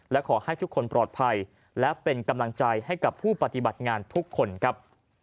และขอให้ทุกคนปลอดภัยและเป็นกำลังใจให้กับผู้ปฏิบัติงานทุกคนครับ